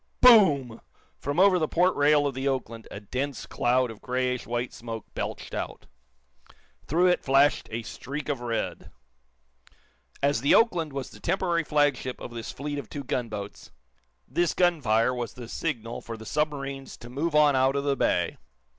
Boom! From over the port rail of the "Oakland" a dense cloud of grayish white smoke belched out. Through it flashed a streak of red. As the "Oakland" was the temporary flagship of this fleet of two gunboats, this gunfire was the signal for the submarines to move on out of the bay.